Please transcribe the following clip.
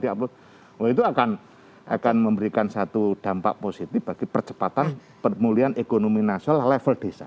itu akan memberikan satu dampak positif bagi percepatan pemulihan ekonomi nasional level desa